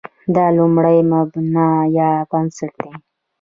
دا لومړی مبنا یا بنسټ دی.